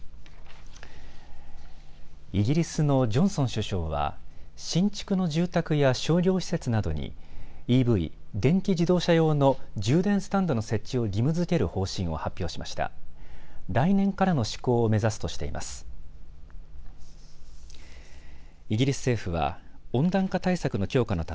イギリスのジョンソン首相は新築の住宅や商業施設などにＥＶ・電気自動車用の充電スタンドの設置を義務づける方針を発表しました。